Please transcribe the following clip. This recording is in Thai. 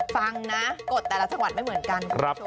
ฟังนะกดแต่ละจังหวัดไม่เหมือนกัน